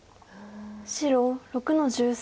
白６の十三。